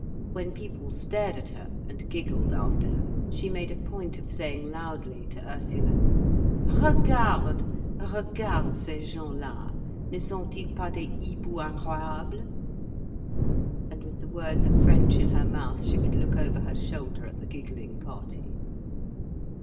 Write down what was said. When people stared at her, and giggled after her, she made a point of saying loudly, to Ursula: "Regarde, regarde ces gens là! Ne sont ils pas des hiboux incroyables?" And with the words of French in her mouth, she would look over her shoulder at the giggling party.